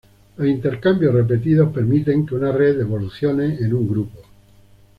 Los intercambios repetidos permiten que una red evolucione en un grupo.